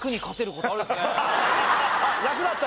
楽だった？